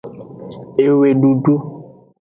Ewedudu.